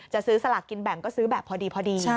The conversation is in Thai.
ซื้อสลากกินแบ่งก็ซื้อแบบพอดี